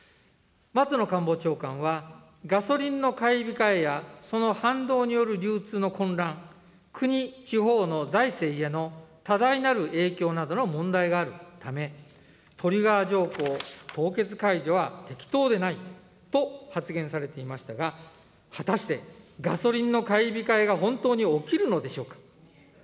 松野官房長官は、ガソリンの買い控えや、その反動による流通の混乱、国・地方の財政への多大なる影響などの問題があるため、トリガー条項凍結解除は適当でないと発言されていましたが、果たしてガソリンの買い控えが本当に起きるのでしょうか。